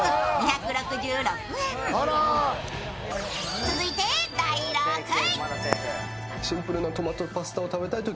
続いて第６位。